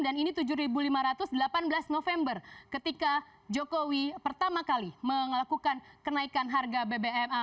dan ini rp tujuh lima ratus delapan belas november ketika jokowi pertama kali mengelakukan kenaikan harga bbm